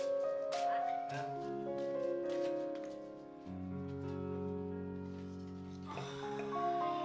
sampai jumpa keliendo